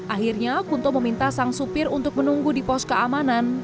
akhirnya kunto meminta sang supir untuk menunggu di pos keamanan